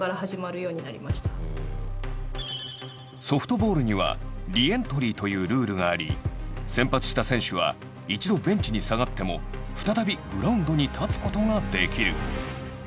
ソフトボールにはリエントリーというルールがあり先発した選手は一度ベンチに下がっても再びグラウンドに立つことができる。